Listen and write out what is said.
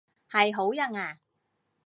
係好人啊？